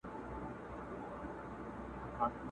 کښتۍ وان یم له څپو سره چلېږم٫